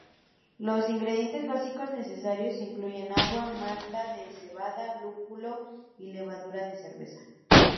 Los ingredientes básicos necesarios incluyen agua, malta de cebada, lúpulo y levadura de cerveza.